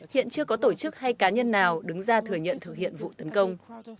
hiện chưa có tổ chức hay cá nhân nào đứng ra thừa nhận thực hiện vụ tấn công